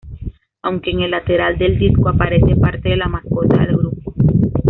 Aunque en el lateral del disco aparece parte de la mascota del grupo.